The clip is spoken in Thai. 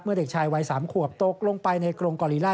เด็กชายวัย๓ขวบตกลงไปในกรงกอลิล่า